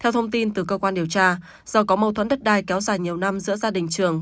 theo thông tin từ cơ quan điều tra do có mâu thuẫn đất đai kéo dài nhiều năm giữa gia đình trường